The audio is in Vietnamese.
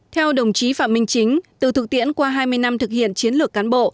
theo đồng chí phạm minh chính từ thực tiễn qua hai mươi năm thực hiện chiến lược cán bộ